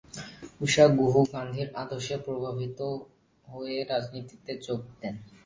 ঊষা গুহ গান্ধীর আদর্শে প্রভাবিত হয়ে রাজনীতিতে যোগ দেন।